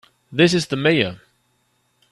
This is the Mayor.